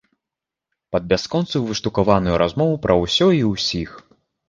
Пад бясконцую выштукаваную размову пра ўсё і ўсіх.